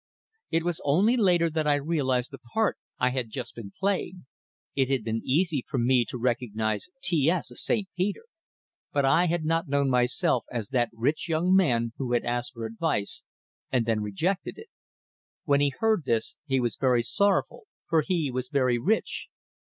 It was only later that I realized the part I had just been playing. It had been easy for me to recognize T S as St. Peter, but I had not known myself as that rich young man who had asked for advice, and then rejected it. "When he heard this, he was very sorrowful; for he was very rich."